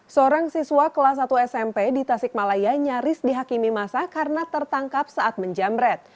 seorang siswa kelas satu smp di tasikmalaya nyaris dihakimi masa karena tertangkap saat menjamret